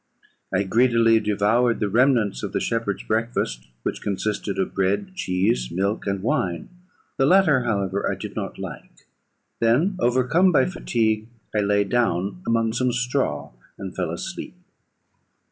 I greedily devoured the remnants of the shepherd's breakfast, which consisted of bread, cheese, milk, and wine; the latter, however, I did not like. Then, overcome by fatigue, I lay down among some straw, and fell asleep.